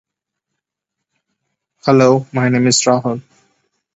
The name marks the day as a mass or feast of thanksgiving.